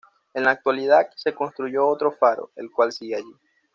En la actualidad, se construyó otro faro, el cual sigue allí.